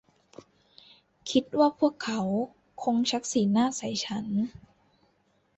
คิดว่าพวกเขาคงชักสีหน้าใส่ฉัน